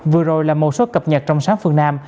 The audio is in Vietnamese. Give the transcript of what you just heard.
vừa rồi là một số cập nhật trong sáng phương nam